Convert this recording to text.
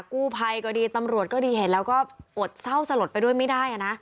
กู้ภัยก็ดีตำรวจก็ดีเห็นแล้วก็อดเศร้าสลดไปด้วยไม่ได้นะ